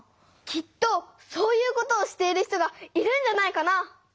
きっとそういうことをしている人がいるんじゃないかな？